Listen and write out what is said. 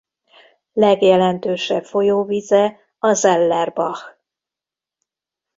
Legjelentősebb folyóvíze a Zeller Bach.